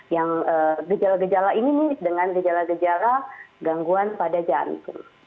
yang gejala gejala ini mirip dengan gejala gejala gangguan pada jantung